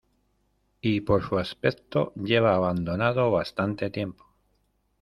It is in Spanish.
y por su aspecto lleva abandonado bastante tiempo.